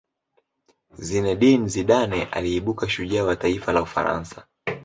zinedine zidane aliibuka shujaa wa taifa la ufaransa